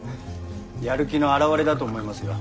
やる気の表れだと思いますよ。